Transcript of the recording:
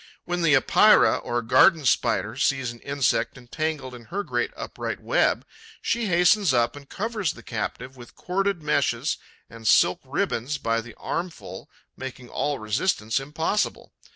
When the Epeira, or Garden Spider, sees an insect entangled in her great upright web, she hastens up and covers the captive with corded meshes and silk ribbons by the armful, making all resistance impossible.